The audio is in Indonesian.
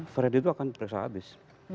kredit itu akan periksa habis